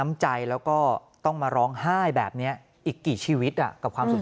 แม่อยากดูว่าไอ้คนเนี้ยมันน่าตายังไงแม่อยากดูว่าไอ้คนเนี้ยมันน่าตายังไง